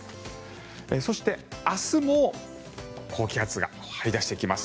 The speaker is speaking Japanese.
そして、明日も高気圧が張り出してきます。